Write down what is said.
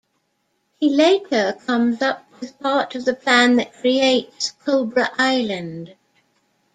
He later comes up with part of the plan that creatres Cobra Island.